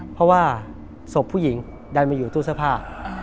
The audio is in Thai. เพราะว่าศพผู้หญิงดันมาอยู่ตู้เสื้อผ้า